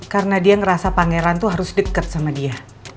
karena dia ngerasa pangeran tuh harus deket sama dia